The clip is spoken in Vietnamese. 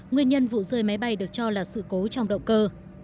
nguyên nhân vụ rơi máy bay được cho là sự cố trong động cơ